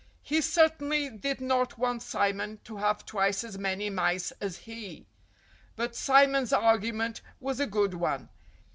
He certainly did not want Simon to have twice as many mice as he. But Simon's argument was a good one.